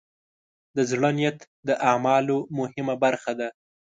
د زړۀ نیت د اعمالو مهمه برخه ده.